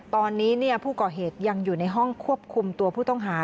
ตอนนี้ผู้ก่อเหตุยังอยู่ในห้องควบคุมตัวผู้ต้องหา